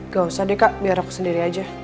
gak usah deh kak biar aku sendiri aja